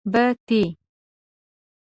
بتۍ.